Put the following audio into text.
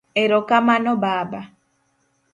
Ero kamano Baba.